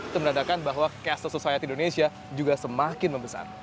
itu menandakan bahwa kesehatan sosial di indonesia juga semakin membesar